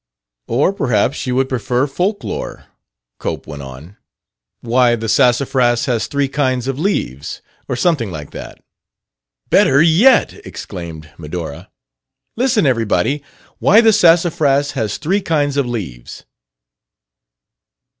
"Or perhaps you would prefer folk lore," Cope went on. "Why the Sassafras has Three Kinds of Leaves, or something like that." "Better yet!" exclaimed Medora. "Listen, everybody. Why the Sassafras has Three Kinds of Leaves."